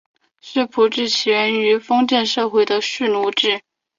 世仆制起源于封建社会的蓄奴制。